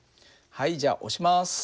はいじゃあ押します。